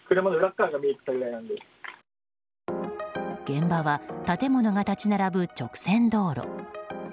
現場は建物が立ち並ぶ直線道路。